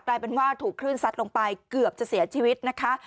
กลายเป็นว่าถูกคลื่นซัดลงไปเกือบจะเสียชีวิตนะคะ